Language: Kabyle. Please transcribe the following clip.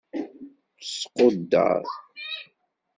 Squdder.